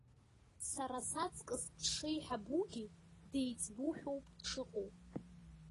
Сара саҵкыс дшеиҳабугьы, деиҵбушәоуп дшыҟоу.